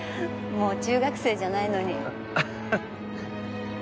もう中学生じゃないのに。